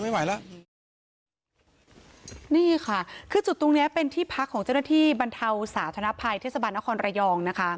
นี่ค่ะคือจุดตรงเนี้ยเป็นที่พักของเจ้าหน้าที่บรรเทาสาธนภัยเทศบาลนครระยองนะคะ